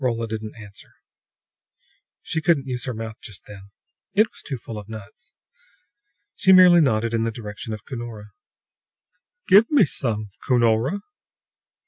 Rolla didn't answer; she couldn't use her mouth just then; it was too full of nuts. She merely nodded in the direction of Cunora. "Give me some, Cunora!"